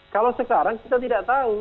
kalau sekarang kita tidak tahu